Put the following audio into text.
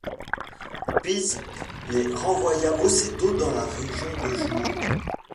Pitz les renvoya aussitôt dans la région de Juneau.